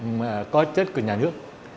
mà có chất của nhà nước